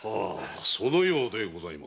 そのようでございますな。